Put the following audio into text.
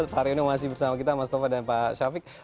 hari ini masih bersama kita mas tova dan pak syafiq